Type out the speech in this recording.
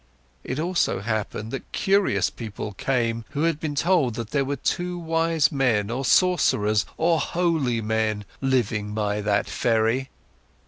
It also happened that curious people came, who had been told that there were two wise men, or sorcerers, or holy men living by that ferry.